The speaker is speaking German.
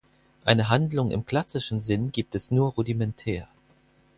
Eine Handlung im klassischen Sinn gibt es nur rudimentär.